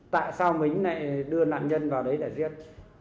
tại sao mình lại đưa nạn nhân vào đấy để giết